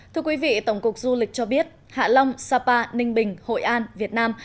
thưa quý vị tổng cục du lịch cho biết hạ long sapa ninh bình hội an việt nam